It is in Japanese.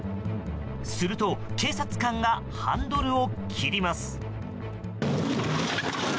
すると警察官がハンドルを切ります。